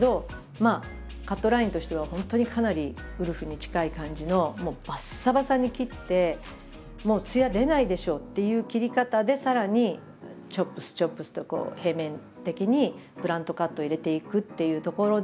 まあカットラインとしては本当にかなりウルフに近い感じのもうバッサバサに切ってもう艶出ないでしょっていう切り方でさらにチョップスチョップスとこう平面的にブラントカットを入れていくっていうところで。